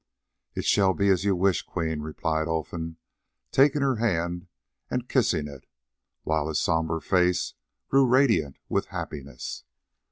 "It shall be as you wish, Queen," replied Olfan, taking her hand and kissing it, while his sombre face grew radiant with happiness.